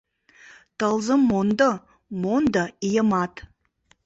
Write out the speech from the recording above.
Тылзым мондо, мондо ийымат.